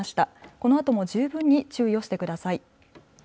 このあとも十分に注意をしてください。